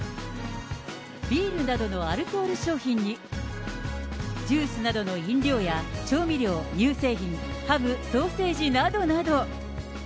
ビールなどのアルコール商品に、ジュースなどの飲料や調味料、乳製品、ハム、ソーセージなどなど。